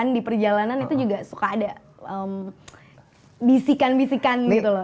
di perjalanan itu juga suka ada bisikan bisikan gitu loh